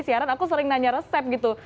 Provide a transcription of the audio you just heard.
siaran aku sering nanya resep gitu